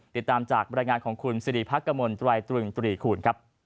ติดตามจากบรรยายงานของคุณสิริภักกะมลตรวัยตรึงตรีขุ่น